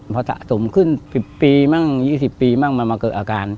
พอสะสมขึ้น๑๐ปีมั่ง๒๐ปีมั่งมันมาเกิดอาการ